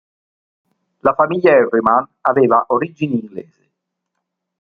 La famiglia Harriman aveva origini inglesi.